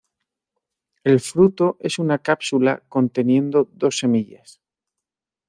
El fruto es una cápsula conteniendo dos semillas.